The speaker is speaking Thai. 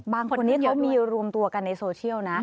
บางคนที่เขามีรวมตัวกันในโซเชียลนะ